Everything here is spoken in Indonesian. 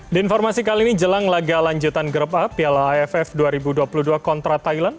di informasi kali ini jelang laga lanjutan grup a piala aff dua ribu dua puluh dua kontra thailand